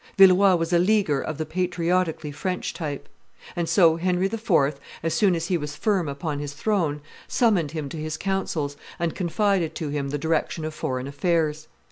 Villeroi was a Leaguer of the patriotically French type. And so Henry IV., as soon as he was firm upon his throne, summoned him to his councils, and confided to him the direction of foreign affairs.